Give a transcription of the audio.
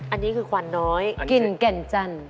อันนี้คือควันน้อยกลิ่นแก่นจันทร์